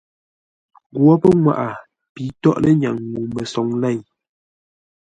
Nghwó pənŋwaʼa pi tóghʼ lə́nyaŋ ŋuu məsoŋ lěi,